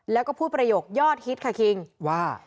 แล้วก็พูดประโยคยอดฮิตค่ะคิงว่า